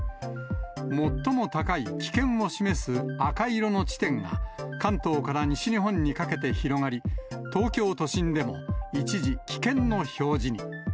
最も高い危険を示す赤色の地点が、関東から西日本にかけて広がり、東京都心でも一時、危険の表示に。